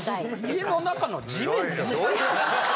家の中の地面ってどういうこと？